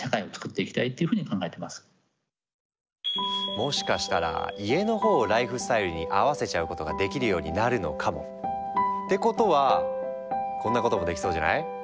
もしかしたら家のほうをライフスタイルに合わせちゃうことができるようになるのかも！ってことはこんなこともできそうじゃない？